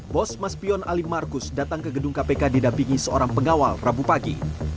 bos mas pion alim markus datang ke gedung kpk didampingi seorang pengawal rabu pagi